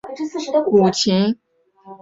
在中国期间师从关仲航学习古琴。